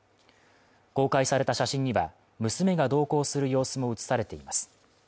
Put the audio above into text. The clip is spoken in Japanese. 公開された写真には、娘が同行する様子も写されています。